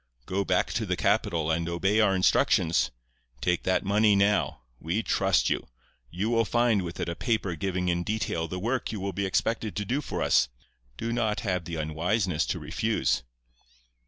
Go back to the capital and obey our instructions. Take that money now. We trust you. You will find with it a paper giving in detail the work you will be expected to do for us. Do not have the unwiseness to refuse.